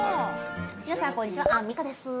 皆さんこんにちはアンミカです。